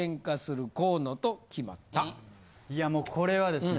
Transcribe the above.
いやもうこれはですね